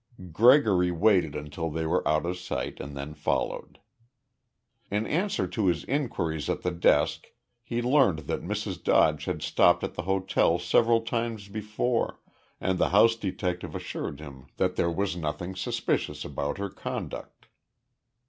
Gregory waited until they were out of sight and then followed. In answer to his inquiries at the desk he learned that Mrs. Dodge had stopped at the hotel several times before and the house detective assured him that there was nothing suspicious about her conduct.